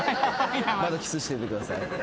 まだキスしててください。